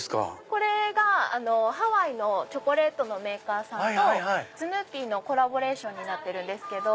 これがハワイのチョコレートのメーカーさんとスヌーピーのコラボレーションになってるんですけど。